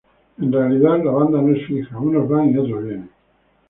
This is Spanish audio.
En realidad, la banda no es fija, unos van y otros vienen.